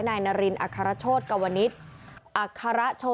นายนารินอฆรโชตินะคะ